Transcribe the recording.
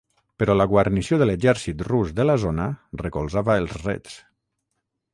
Però la guarnició de l'exèrcit rus de la zona recolzava els Reds.